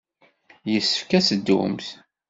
Yessefk ad teddumt.